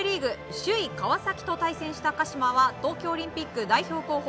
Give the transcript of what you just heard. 首位、川崎と対戦した鹿島は東京オリンピック代表候補